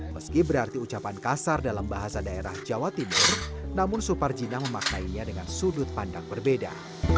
meski berarti ucapan kasar dalam bahasa daerah jawa timur namun suparjina memaknainya dengan sudut pandang berbeda